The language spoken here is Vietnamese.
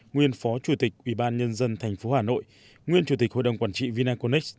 nguyên phó chủ tịch ubnd tp hà nội nguyên chủ tịch hội đồng quản trị vinaconex